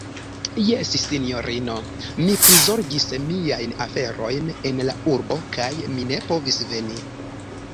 Jes, sinjorino, mi prizorgis miajn aferojn en la urbo kaj mi ne povis veni.